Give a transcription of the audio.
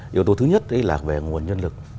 yếu tố thứ nhất là về nguồn nhân lực